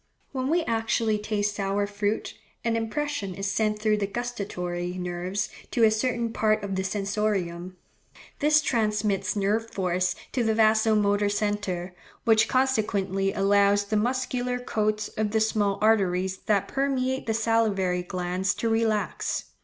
When we actually taste sour fruit, an impression is sent through the gustatory nerves to a certain part of the sensorium; this transmits nerve force to the vasomotor centre, which consequently allows the muscular coats of the small arteries that permeate the salivary glands to relax.